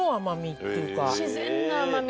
自然な甘み。